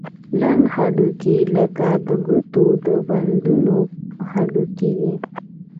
لنډ هډوکي لکه د ګوتو د بندونو هډوکي دي.